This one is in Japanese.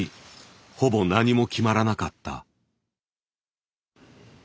ほぼ何も決まらなかった。